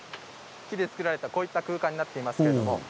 木で作られたこういった空間になっています。